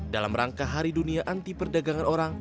dalam rangka hari dunia anti perdagangan orang